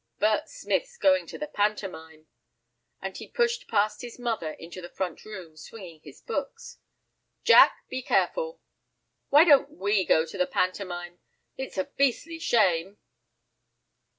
"Bert Smith's going to the pantomime," and he pushed past his mother into the front room; swinging his books. "Jack, be careful!" "Why don't we go to the pantomime? It's a beastly shame!"